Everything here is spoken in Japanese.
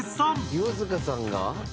「清塚さんが？」